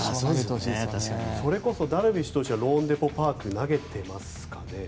それこそダルビッシュ投手はローンデポ・パーク投げてますかね。